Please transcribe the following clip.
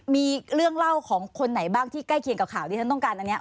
มีเรื่องเล่าของคนไหนบ้างที่ใกล้เคียงกับข่าวที่ฉันต้องการอันนี้